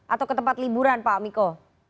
atau ke tempat liburan pak miko